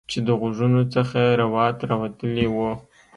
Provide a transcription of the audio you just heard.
چې د غوږونو څخه یې روات راوتلي وو